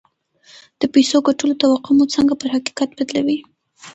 د پيسو ګټلو توقع مو څنګه پر حقيقت بدلوي؟